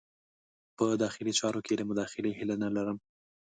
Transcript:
په داخلي چارو کې د مداخلې هیله نه لرم.